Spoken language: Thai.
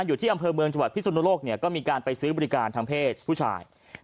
อยู่ที่อำเภอเมืองจังหวัดพิสุนโลกเนี่ยก็มีการไปซื้อบริการทางเพศผู้ชาย